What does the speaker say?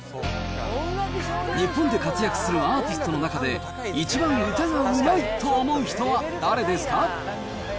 日本で活躍するアーティストの中で一番歌がうまいと思う人は誰ですか？